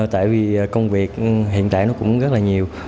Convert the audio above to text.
tại vì công việc hiện tại nó cũng rất là nhiều